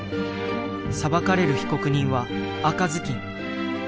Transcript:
裁かれる被告人は赤ずきん。